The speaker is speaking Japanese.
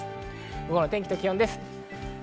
午後の天気と気温です。